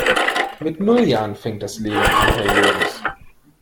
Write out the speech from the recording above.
Mit null Jahren fängt das Leben an, Herr Jürgens!